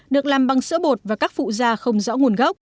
được làm bằng sữa bột và các phụ da không rõ nguồn gốc